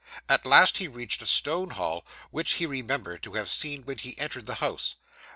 At last he reached a stone hall, which he remembered to have seen when he entered the house.